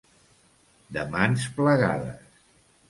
De mans plegades.